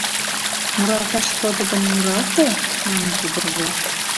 — Муралташ кодо гын, муралте! — маныт ӱдыр-влак.